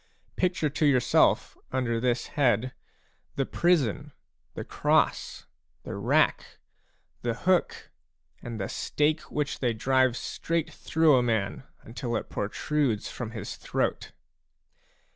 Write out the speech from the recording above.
Picture to yourself under this head the prison, the cross, the rack, the hookj and the stake which they drive straight through a man until it protrudes from his throat.